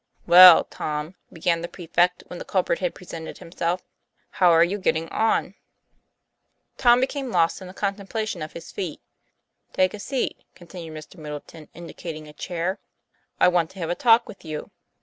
'Well, Tom," began the prefect when the culprit had presented himself, " how are you getting on ?" Tom became lost in the contemplation of his feet. 'Take a seat," continued Mr. Middleton, indicat ing a chair. ' I want to have a talk with you.